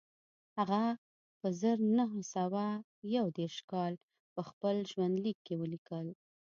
هغه په زر نه سوه یو دېرش کال په خپل ژوندلیک کې ولیکل